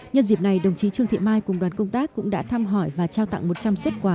nhân dịp này đồng chí trương thị mai cùng đoàn công tác cũng đã thăm hỏi và trao tặng một trăm linh xuất quà